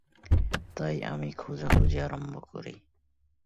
তাই, আমি খোঁজাখুঁজি আরম্ভ করি।